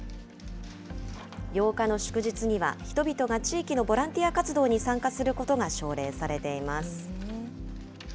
８日の祝日には、人々が地域のボランティア活動に参加することが奨励されています。